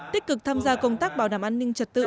tích cực tham gia công tác bảo đảm an ninh trật tự